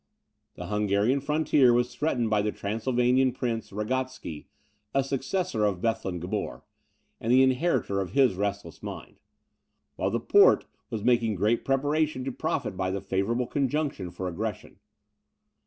The Hungarian frontier was threatened by the Transylvanian Prince, Ragotsky, a successor of Bethlen Gabor, and the inheritor of his restless mind; while the Porte was making great preparation to profit by the favourable conjuncture for aggression.